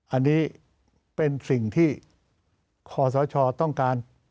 อันนี้เป็นสิ่งที่ขอสชต้องการ